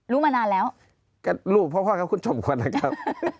รู้มานานแล้วก็รู้เพราะพ่อครับคุณผู้ชมควรนะครับ